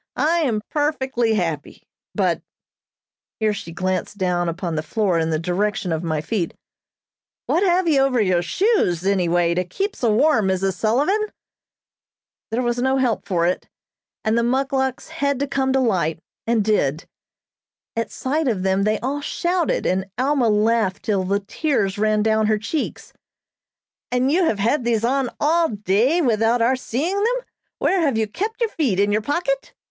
I am perfectly happy; but " (here she glanced down upon the floor in the direction of my feet) "what have you over your shoes, any way, to keep so warm, Mrs. Sullivan?" There was no help for it, and the muckluks had to come to light, and did. At sight of them they all shouted, and Alma laughed till the tears ran down her cheeks. "And you have had these on all day without our seeing them? Where have you kept your feet, in your pocket?"